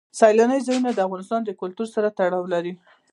سیلانی ځایونه د افغان کلتور سره تړاو لري.